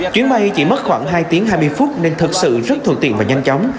chuyến bay chỉ mất khoảng hai tiếng hai mươi phút nên thật sự rất thuận tiện và nhanh chóng